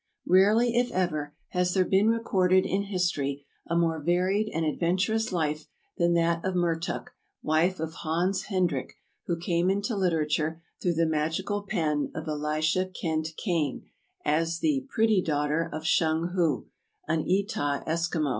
RARELY, if ever, has there been recorded in his tory a more varied and adventurous life than that of Mertuk, wife of Hans Hendrik, who came into Hterature through the magical pen of Elisha Kent Kane as the "pretty daughter" of Shung hu, an Etah Eskimo.